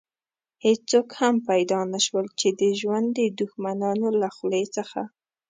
هېڅوک هم پيدا نه شول چې د ژوند د دښمنانو له خولې څخه.